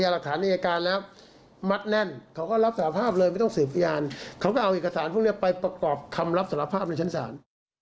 แล้วก็ปลอบคำรับสารภาพในชั้นศาล